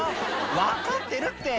「分かってるって！